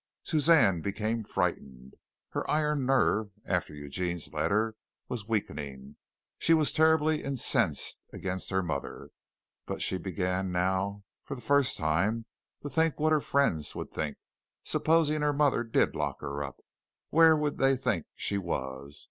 Suzanne became frightened. Her iron nerve, after Eugene's letter, was weakening. She was terribly incensed against her mother, but she began now for the first time to think what her friends would think. Supposing her mother did lock her up. Where would they think she was?